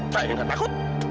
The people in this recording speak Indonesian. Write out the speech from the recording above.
saya gak takut